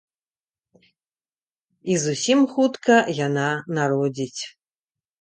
І зусім хутка яна народзіць.